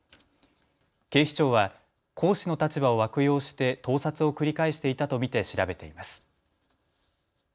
警視庁は講師の立場を悪用して盗撮を繰り返していたと見て調べています。